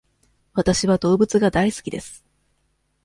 わたしは動物が大好きです。